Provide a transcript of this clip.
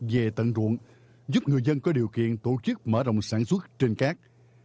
về tận ruộng giúp người dân có điều kiện tổ chức mở rộng sản xuất trên cát